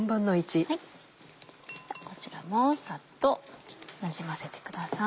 こちらもサッとなじませてください。